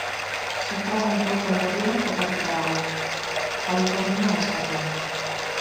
Sacramento konderrian kokatuta dago, Kalifornia estatuan.